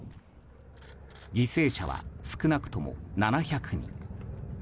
犠牲者は少なくとも７００人。